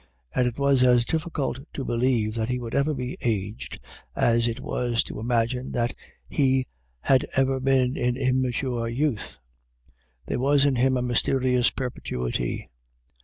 And it was as difficult to believe that he would ever be aged as it was to imagine that he had ever been in immature youth. There was in him a mysterious perpetuity.